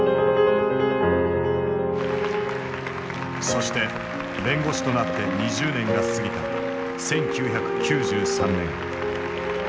そして弁護士となって２０年が過ぎた１９９３年。